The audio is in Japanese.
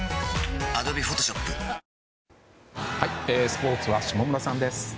スポーツは下村さんです。